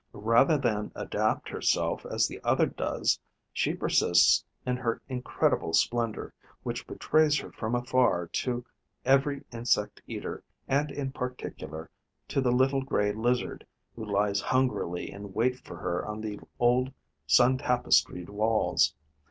Rather than adapt herself as the other does, she persists in her incredible splendour, which betrays her from afar to every insect eater and in particular to the little Grey Lizard, who lies hungrily in wait for her on the old sun tapestried walls.